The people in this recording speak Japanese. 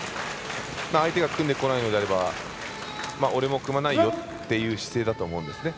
相手が組んでこないのであれば俺も組まないよっていう姿勢だと思いますね。